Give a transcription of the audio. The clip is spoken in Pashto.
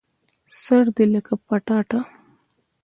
سر دي لکه پټاټه